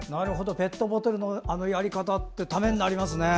ペットボトルのあのやり方ためになりますね。